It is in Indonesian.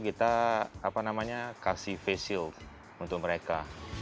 kita kasih face shield untuk mereka